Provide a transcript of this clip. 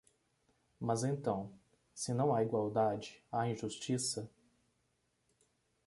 Mas então, se não há igualdade, há injustiça?